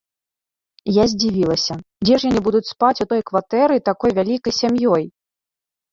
Я здзівілася, дзе ж яны будуць спаць у той кватэры такой вялікай сям'ёй?